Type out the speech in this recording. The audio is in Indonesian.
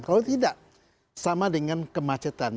kalau tidak sama dengan kemacetan